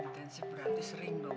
intensif berarti sering bau